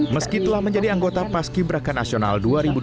meskipun telah menjadi anggota pas ki braka nasional dua ribu dua puluh satu